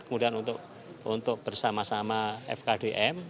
kemudian untuk bersama sama fkdm